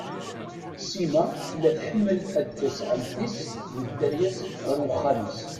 Sima tella tḥemmel ad tas ɛemti-s d dderya-s ɣer uxxam-is.